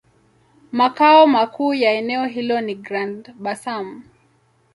Makao makuu ya eneo hilo ni Grand-Bassam.